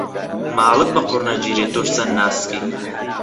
ماڵت بە قوڕ نەگیرێ تۆش چەند ناسکی.